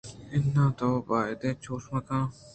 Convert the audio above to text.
اِناں توبایدیں چوش مہ کن